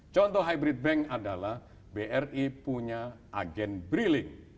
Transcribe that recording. contoh hybrid bank adalah bri punya agen briling